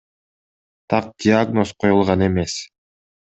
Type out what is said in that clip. Так диагноз коюлган эмес.